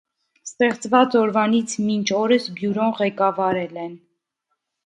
Ստեղծված օրվանից մինչ օրս բյուրոն ղեկավարել են։